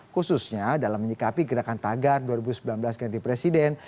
khususnya dalam menyikapi gerakan tagar dua ribu sembilan belas ganti presiden